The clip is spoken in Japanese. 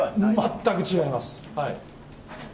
全く違います。